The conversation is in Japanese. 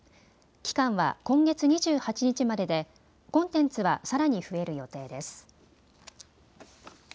期間は今月２８日まででコンテンツはさらに増える予定です。